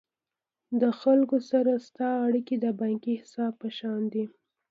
د خلکو سره ستا اړیکي د بانکي حساب په شان دي.